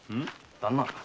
旦那。